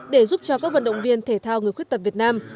để giúp cho các vận động viên thể thao người khuyết tật việt nam